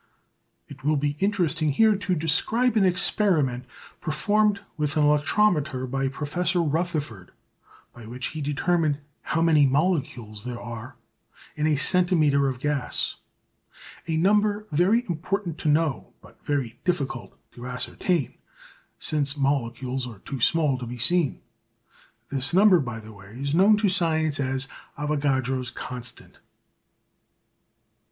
It will be interesting here to describe an experiment performed with an electrometer by Professor Rutherford, by which he determined how many molecules there are in a centimetre of gas, a number very important to know but very difficult to ascertain, since molecules are too small to be seen. This number, by the way, is known to science as "Avogadro's Constant."